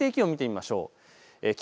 まず最低気温、見てみましょう。